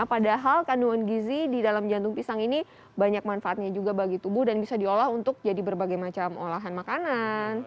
padahal kandungan gizi di dalam jantung pisang ini banyak manfaatnya juga bagi tubuh dan bisa diolah untuk jadi berbagai macam olahan makanan